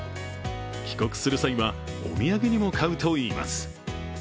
帰国する際は、お土産にも買うといいます。